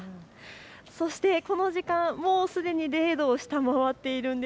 そしてこの時間、０度を下回っているんです。